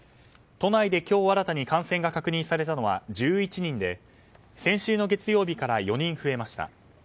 都内で今日新たに感染が確認されたのは１１人で先週の月曜日から４人増えました。